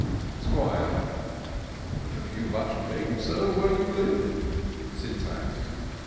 'Squire. " Have you much game, Sir, where you live ?" Syntax.